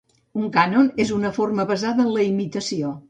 Un cànon és una forma basada en la imitació.